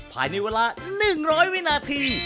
ภายในเวลา๑๐๐วินาที